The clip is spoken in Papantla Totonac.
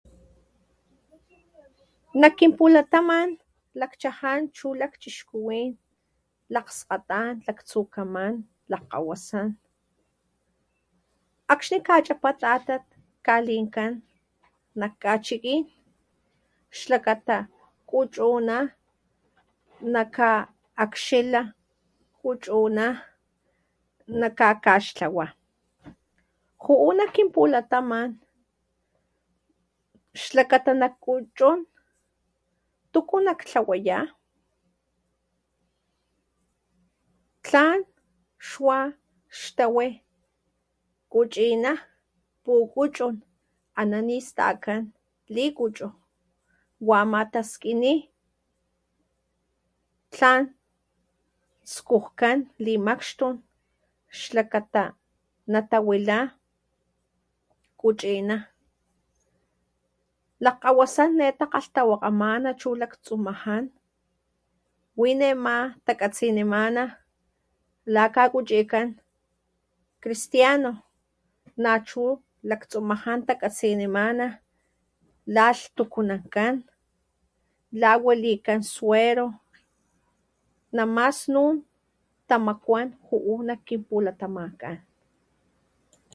Najkinpulataman lakchajan chu lakchixkuwin, lakskgatan, laktsukaman, lajkgawasan akxni kachapa tatat kalinkan nak kachikin xlakata kuchuna naka'akxila kuchuna nakakaxtlawa, ju'u nak kin pulataman xlakata nak kuchun ¿tuku nak tlawayá? tlan xwa xtawi kuchina pukuchun ana nístakan likuchu wa ama taskini tlan skujkan limaxtum xlakata natawila kuchina lajkgawasan ne natakgalhtawakgamana chu laktsumajan wi nema takatsinimana lakakuchikan cristiano nachu laktsumajan takatsinimana lalhtukunankan la walikan suero nama snun tamakuan ju'u nak kinpulatamankan.